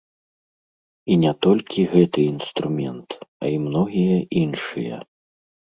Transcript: І не толькі гэты інструмент, а і многія іншыя.